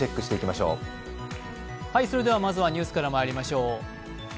まずはニュースからまいりましょう。